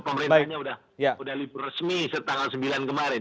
pemerintahnya sudah medali resmi setanggal sembilan kemarin